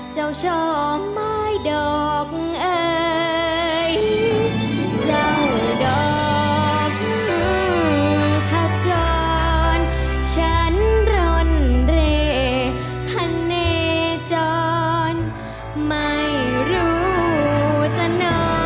เจ้าชอบไม้ดอกเอ๋ยเจ้าดอกหื้มขาดจอน